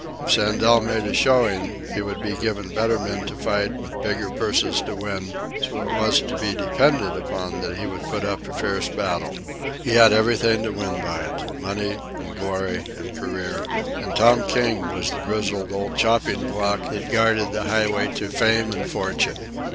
If Sandel made a showing, he would be given better men to fight, with bigger purses to win; so it was to be depended upon that he would put up a fierce battle. He had everything to win by it money and glory and career; and Tom King was the grizzled old chopping block that guarded the highway to fame and fortune.